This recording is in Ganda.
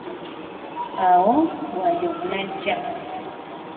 Awo Wanjovu najja.